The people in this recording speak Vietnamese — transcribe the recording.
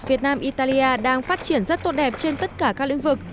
việt nam italia đang phát triển rất tốt đẹp trên tất cả các lĩnh vực